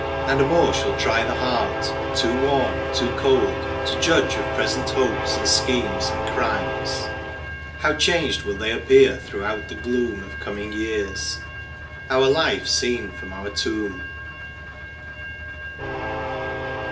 And more shall try the heart ; too warm, too cold. To judge of present hopes, and schemes, and crimes ; How changed will they appear throughout the gloom Of coming years— our life seen irom our tomb